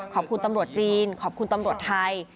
ขอบคุณตำรวจจีนขอบคุณตำรวจไทย